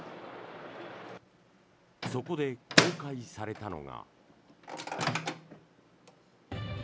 そこで公開されたのが。